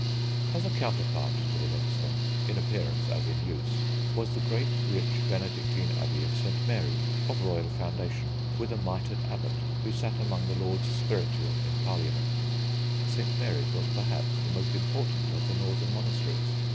As a counterpart to the Minster, in appearance as in use, was the great, rich Benedictine Abbey of St. Mary, of royal foundation. With a mitred abbot who sat among the lords spiritual in Parliament, St. Mary's was perhaps the most important of the northern monasteries.